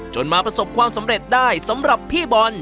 มาประสบความสำเร็จได้สำหรับพี่บอล